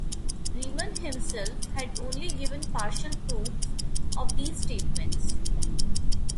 Riemann himself had only given partial proofs of these statements.